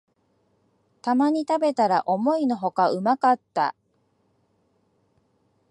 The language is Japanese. たまに食べたら思いのほかうまかった